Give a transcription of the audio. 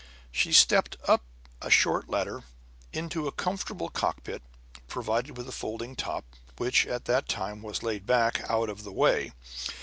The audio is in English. She stepped up a short ladder into a comfortable cockpit, provided with a folding top, which at that time was laid back out of the way.